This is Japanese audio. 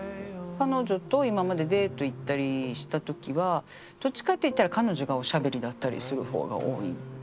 彼女と今までデート行ったりした時はどっちかっていったら彼女がおしゃべりだったりする方が多い？